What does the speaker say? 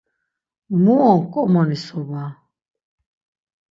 Mu on ǩomonisoba?